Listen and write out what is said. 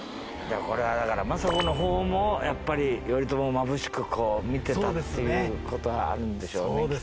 これはだから政子の方もやっぱり頼朝をまぶしく見てたっていう事はあるんでしょうねきっとね。